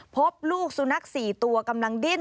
พบลูกสุนัข๔ตัวกำลังดิ้น